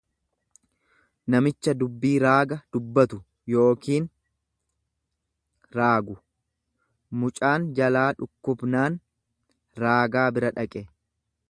namicha dubbii raaga dubbatu yookiin raagu; Mucaan jalaa dhukkubnaan raagaa bira dhaqe.